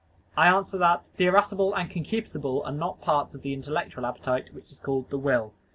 I answer that, The irascible and concupiscible are not parts of the intellectual appetite, which is called the will.